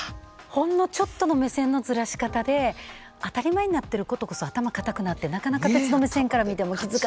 ほんのちょっとの目線のずらし方で当たり前になってることこそ頭固くなってなかなか別の目線から見ても気づかない。